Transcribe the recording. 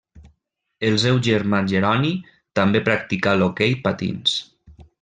El seu germà Jeroni també practicà l'hoquei patins.